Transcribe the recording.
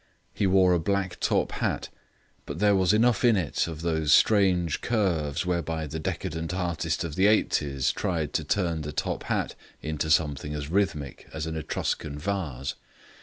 He wore a black top hat, but there was enough in it of those strange curves whereby the decadent artist of the eighties tried to turn the top hat into something as rhythmic as an Etruscan vase.